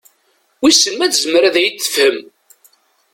Wissen ma tezmer ad iyi-d-tefhem?